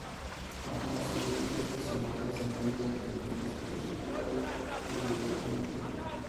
Aun así, estas sonatas, en vida del compositor, circularon irregularmente.